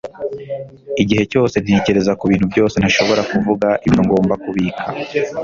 igihe cyose ntekereza kubintu byose ntashobora kuvuga, ibyo ngomba kubika